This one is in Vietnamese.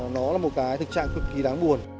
nó là một cái thực trạng cực kỳ đáng buồn